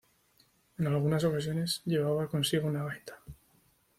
En algunas ocasiones llevaba consigo una gaita.